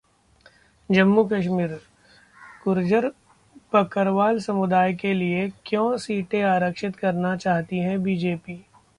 जम्मू-कश्मीर: गुर्जर-बकरवाल समुदाय के लिए क्यों सीटें आरक्षित करना चाहती है बीजेपी?